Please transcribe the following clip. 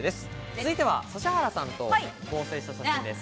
続いては指原さんと合成した写真です。